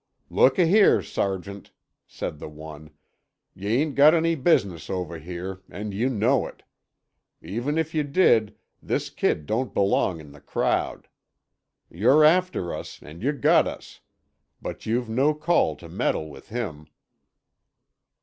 "Look a here, sergeant," said the one, "yuh ain't got any business over here, and yuh know it. Even if yuh did, this kid don't belong in the crowd. You're after us and yuh got us, but you've no call to meddle with him."